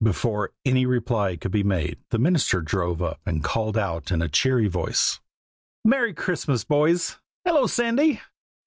Before any reply could be made the minister drove up and called out in a cheery voice: "Merry Christmas, boys! Hello, Sandy!